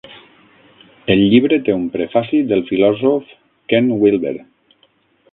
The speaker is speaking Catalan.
El llibre té un prefaci del filòsof Ken Wilber.